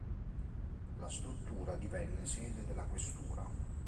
La struttura divenne sede della questura.